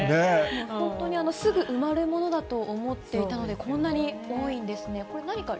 本当に、すぐ埋まるものだと思っていたので、こんなに多いんですね。